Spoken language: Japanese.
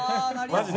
マジで？